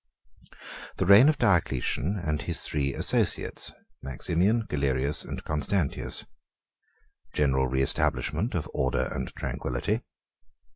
The Reign Of Diocletian And His Three Associates, Maximian, Galerius, And Constantius.—General Reestablishment Of Order And Tranquillity.